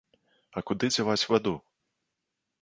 А куды дзяваць ваду?